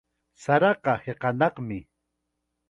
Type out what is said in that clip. Saraqa hiqanaqmi.